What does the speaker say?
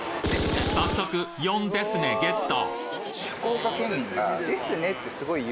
早速４ですねゲット！